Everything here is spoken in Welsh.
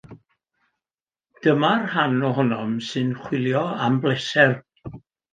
Dyma'r rhan ohonom sy'n chwilio am bleser